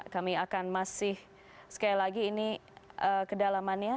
kami akan masih sekali lagi ini kedalamannya